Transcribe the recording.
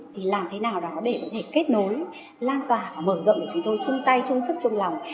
thì làm thế nào đó để có thể kết nối lan tỏa và mở rộng để chúng tôi chung tay chung sức chung lòng